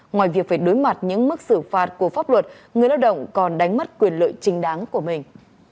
ngoài việc phải đối mặt những mức xử phạt của pháp luật người lao động còn đánh mất quyền lợi trinh đáng của mình